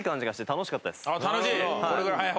楽しい？